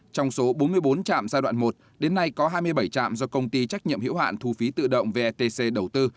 trong số bốn mươi bốn trạm giai đoạn một đến nay có hai mươi bảy trạm do công ty trách nhiệm hiểu hạn thu phí tự động vetc đầu tư